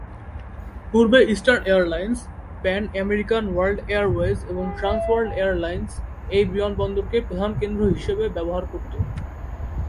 পূর্বে Eastern Airlines, Pan American World Airways এবং Trans World Airlines এই বিমানবন্দরকে প্রধান কেন্দ্র হিসেবে ব্যবহার করতো।